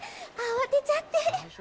慌てちゃって。